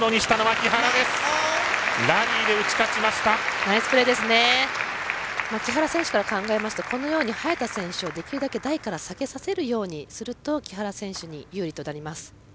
木原選手から考えますとこのように早田選手をできるだけ台から下げさせるようにすると木原選手に有利となります。